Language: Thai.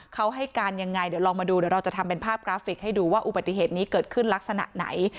เขาให้การยังไงเดี๋ยวลองมาดูเดี๋ยวเราจะทำเป็นภาพกราฟิกให้ดูว่าอุบัติเหตุนี้เกิดขึ้นลักษณะไหน